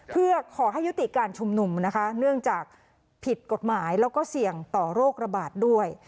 เพื่อขอให้ยุติการชุมนุมนะคะเนื่องจากผิดกฎหมายแล้วก็เสี่ยงต่อโรคระบาดด้วย